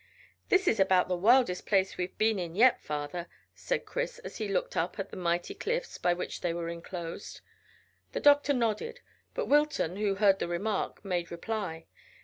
"This is about the wildest place we've been in yet, father," said Chris, as he looked up at the mighty cliffs by which they were enclosed. The doctor nodded, but Wilton, who heard the remark, made reply.